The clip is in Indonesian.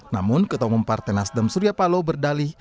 namun ketahuan partai nasdem surya palo berdalih